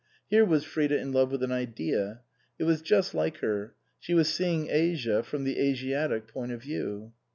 Here was Frida in love with an idea. It was just like her. She was seeing Asia from the Asiatic point of view.